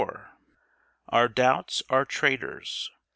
Our doubts are traitors.